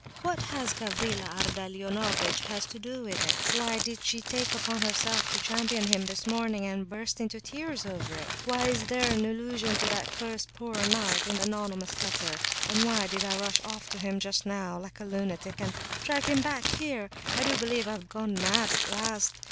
What has Gavrila Ardalionovitch to do with it? Why did she take upon herself to champion him this morning, and burst into tears over it? Why is there an allusion to that cursed 'poor knight' in the anonymous letter? And why did I rush off to him just now like a lunatic, and drag him back here? I do believe I've gone mad at last.